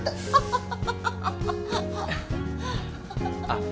あっ。